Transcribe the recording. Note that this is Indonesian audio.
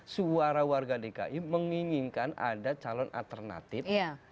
suara warga dki menginginkan ada calon alternatif